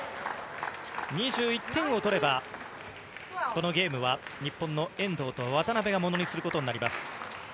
２１点を取れば、このゲームは、日本の遠藤と渡辺がものにすることになります。